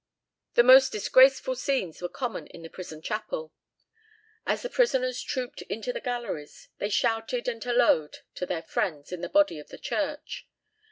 The most disgraceful scenes were common in the prison chapel. As the prisoners trooped into the galleries they shouted and halloed to their friends in the body of the church.